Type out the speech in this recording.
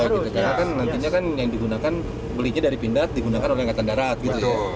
karena kan nantinya kan yang digunakan belinya dari pindad digunakan oleh angkatan darat gitu ya